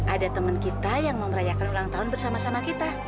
ada teman kita yang memerayakan ulang tahun bersama sama kita